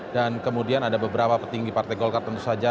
dan kemudian ada beberapa petinggi partai golkar tentu saja